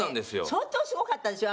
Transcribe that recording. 相当すごかったですよ